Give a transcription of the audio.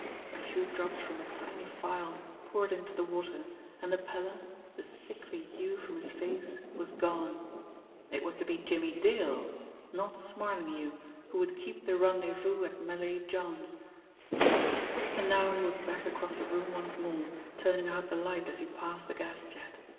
A few drops from a tiny phial poured into the water, and the pallor, the sickly hue from his face was gone. It was to be Jimmie Dale not Smarlinghue who would keep the rendezvous at Malay John's! And now he was back across the room once more, turning out the light as he passed the gas jet.